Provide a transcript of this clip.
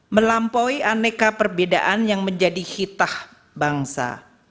melampaui aneka perbedaan yang menjadi hitah bangsa